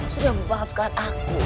sudah membaafkan aku